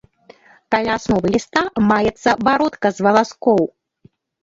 Каля асновы ліста маецца бародка з валаскоў.